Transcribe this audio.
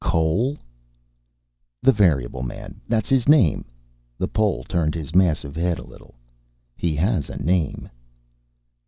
"Cole?" "The variable man. That's his name." The Pole turned his massive head a little. "He has a name."